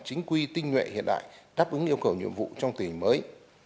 chính quy tinh nguyện hiện đại đáp ứng yêu cầu nhiệm vụ trong tình hình mới